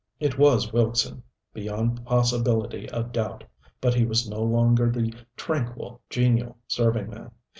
It was Wilkson, beyond possibility of doubt, but he was no longer the tranquil, genial serving man.